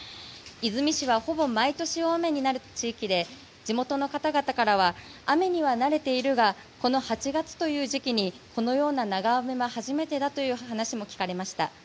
出水市はほぼ毎年大雨になる地域で地元の方々からは雨には慣れているがこの８月という時期にこのような長雨は初めてだという話も聞かれました。